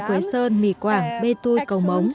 quê sơn mì quảng bê tui cầu mống